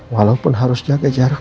walaupun harus jaga jarak